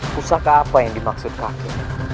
pusaka apa yang dimaksud kaki